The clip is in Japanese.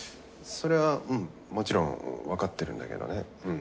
それはうんもちろん分かってるんだけどねうん。